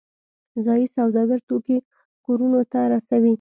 ځایی سوداګر توکي کورونو ته رسوي